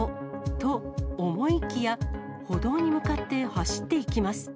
と、思いきや、歩道に向かって走っていきます。